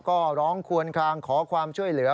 ก็ร้องควนคลางขอความช่วยเหลือ